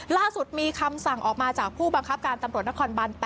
ล่าสุดมีคำสั่งออกมาจากผู้บังคับการตำรวจนครบัน๘